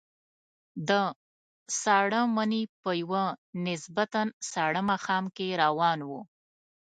د ساړه مني په یوه نسبتاً ساړه ماښام کې روان وو.